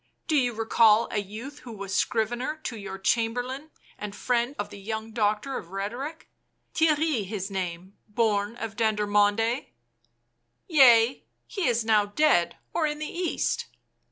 " Do you recall a youth who was scrivener to your Chamber lain and friend of the young doctor of rhetoric — Theirry his name, born of Dendermonde ?" u Yea, he is now dead or in the East.